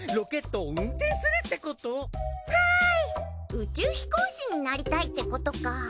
宇宙飛行士になりたいってことか。